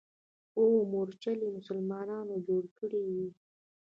اوه مورچلې مسلمانانو جوړې کړې وې.